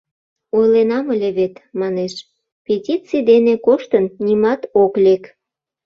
— Ойленам ыле вет, — манеш, — петиций дене коштын, нимат ок лек.